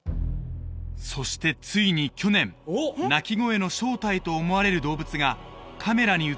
そしてついに去年鳴き声の正体と思われる動物がカメラに写ったといいます